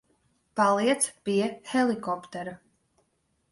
Paliec pie helikoptera.